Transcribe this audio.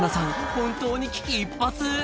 本当に危機一髪